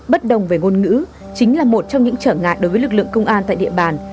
bất đồng về ngôn ngữ chính là một trong những trở ngại đối với lực lượng công an tại địa bàn